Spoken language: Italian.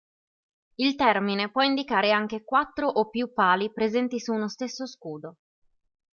Il termine può indicare anche quattro o più pali presenti su uno stesso scudo.